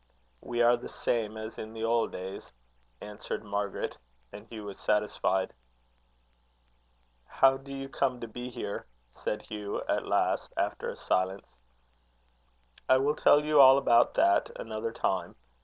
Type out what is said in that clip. "We are the same as in the old days," answered Margaret; and Hugh was satisfied. "How do you come to be here?" said Hugh, at last, after a silence. "I will tell you all about that another time.